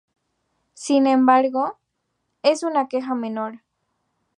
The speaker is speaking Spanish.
Sin embargo, es una queja menor".